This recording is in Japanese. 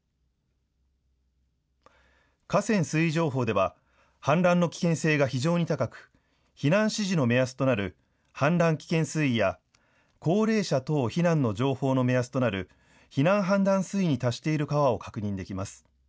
河川水位情報では氾濫の危険性が非常に高く避難指示の目安となる氾濫危険水位や高齢者等避難の情報の目安となる避難判断水位に達している川を確認できます。